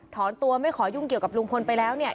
ตัวไม่ขอยุ่งเกี่ยวกับลุงพลไปแล้วเนี่ย